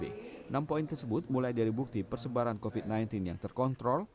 enam poin tersebut mulai dari bukti persebaran covid sembilan belas yang terkontrol